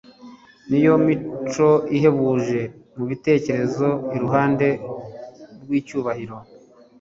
ni yo mico ihebuje mu bitekerezo iruhande rw'icyubahiro